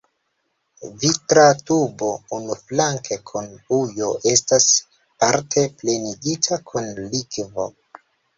Vitra tubo unuflanke kun ujo estas parte plenigita kun likvo.